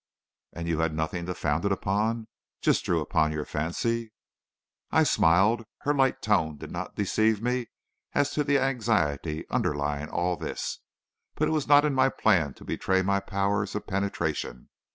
"And you had nothing to found it upon? Just drew upon your fancy?" I smiled. Her light tone did not deceive me as to the anxiety underlying all this; but it was not in my plan to betray my powers of penetration.